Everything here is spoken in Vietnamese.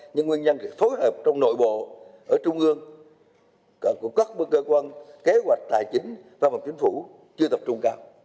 những nguyên nhân phải phối hợp trong nội bộ ở trung ương của các cơ quan kế hoạch tài chính pháp hợp chính phủ chưa tập trung cao